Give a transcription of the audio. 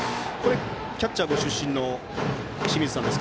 キャッチャーご出身の清水さん